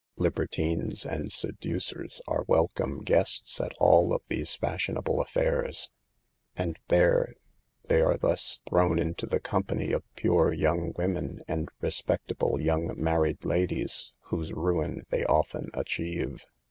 Liber tines and seducers are welcome guests at all of these fashionable affairs ; and there they are 56 SAVE THE GIRLS. thus thrown into the company of pure young women and respectable young married ladies whose ruin they often achieve.